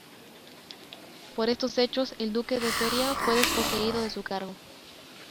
Por estos hechos el duque de Feria fue desposeído de su cargo.